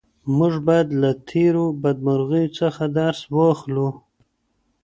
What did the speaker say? موږ باید له تېرو بدمرغیو څخه درس واخلو.